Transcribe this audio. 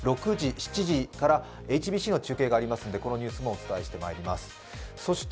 ６時、７時からＨＢＣの中継がありますのでこのニュースもお伝えしてまいります。